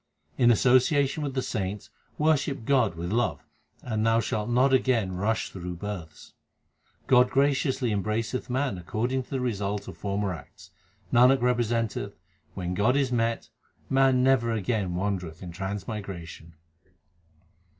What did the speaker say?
In association with the saints worship God with love, and thou shalt not again rush through births. God graciously embraceth man according to the result of former acts. 1 Nanak representeth when God is met, man never again wandereth in transmigration.